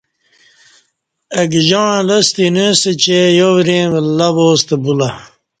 اہ گہ جاعں لستہ اینہ اسہ چہ یا وریں ولہ واستہ بولہ